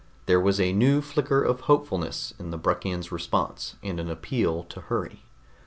There was a new flicker of hopefulness in the Bruckian's response, and an appeal to hurry.